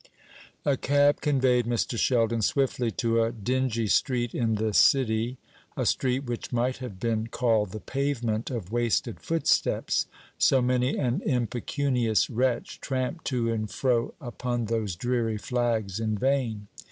A cab conveyed Mr. Sheldon swiftly to a dingy street in the City a street which might have been called the pavement of wasted footsteps, so many an impecunious wretch tramped to and fro upon those dreary flags in vain.